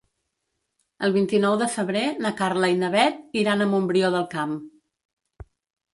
El vint-i-nou de febrer na Carla i na Bet iran a Montbrió del Camp.